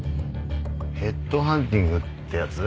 ヘッドハンティングってやつ。